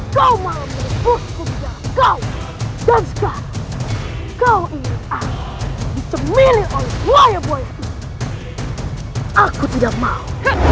kau mau menembus kundang kau